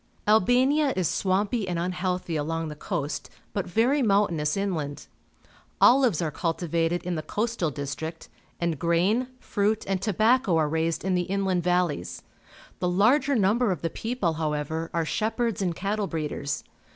Albania is swampy and unhealthy along the coast, but very mountainous inland. Olives are cultivated in the coastal district, and grain, fruit, and tobacco are raised in the inland valleys. The larger number of the people, however, are shepherds and cattle breeders.